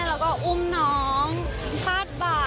แล้วก็อุ้มน้องพาดบ่า